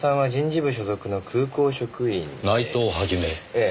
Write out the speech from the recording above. ええ。